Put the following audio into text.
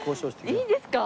いいですか？